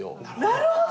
なるほど！